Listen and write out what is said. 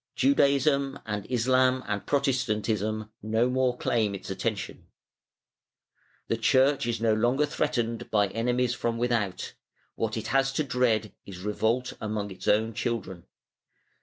Judaism and Islam and Protestantism no more claim its attention. The Church is no longer threatened by enemies from without; what it has to dread is revolt among its own children.